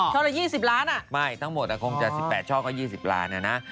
ละ๒๐ล้านอ่ะไม่ทั้งหมดคงจะ๑๘ช่อก็๒๐ล้านนะนะ